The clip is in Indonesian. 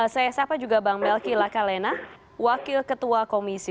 saya sapa juga bang melki lakalena wakil ketua komisi